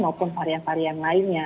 atau varian lainnya